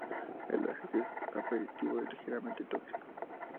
El aceite es aperitivo, ligeramente tóxico.